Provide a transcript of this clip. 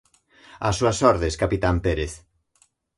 As súas ordes capitán Pérez.